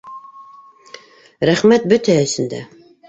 - Рәхмәт бөтәһе өсөн дә...